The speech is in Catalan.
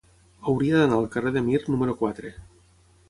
Hauria d'anar al carrer de Mir número quatre.